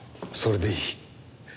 それでいい。